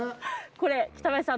これ北林さん